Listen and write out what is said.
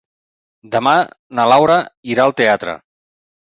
Demà na Laura irà al teatre.